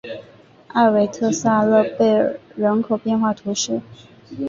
埃韦特萨勒贝尔人口变化图示